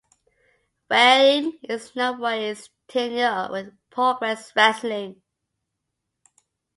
Wareing is known for his tenure with Progress Wrestling.